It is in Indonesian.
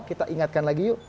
kita ingatkan lagi yuk